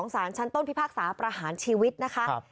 สารชั้นต้นพิพากษาประหารชีวิตนะคะ